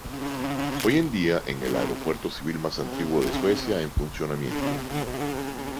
Hoy en día es el aeropuerto civil más antiguo de Suecia en funcionamiento.